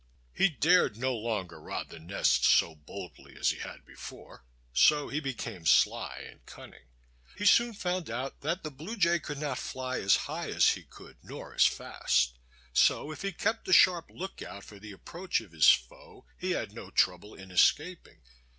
He dared no longer rob the nests so boldly as he had before, so he became sly and cunning. He soon found out that the Blue Jay could not fly as high as he could, nor as fast; so, if he kept a sharp lookout for the approach of his foe, he had no trouble in escaping.